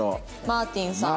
マーティンさん。